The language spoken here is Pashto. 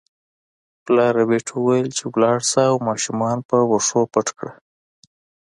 پلار ربیټ وویل چې لاړه شه او ماشومان په واښو پټ کړه